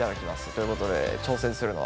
ということで挑戦するのは慎太郎！